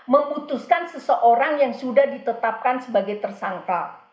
memutuskan seseorang yang sudah ditetapkan sebagai tersangka